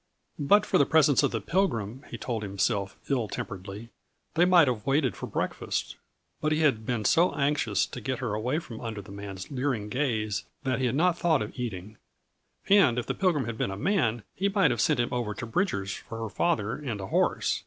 But for the presence of the Pilgrim, he told himself ill temperedly, they might have waited for breakfast; but he had been so anxious to get her away from under the man's leering gaze that he had not thought of eating. And if the Pilgrim had been a man, he might have sent him over to Bridger's for her father and a horse.